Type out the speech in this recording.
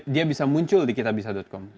dia bisa muncul di kitabisa com